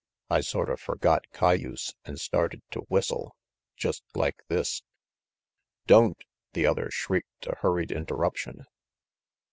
I sorta forgot cayuse, an' started to whistle, just like this "Don't!" the other shrieked a hurried interruption.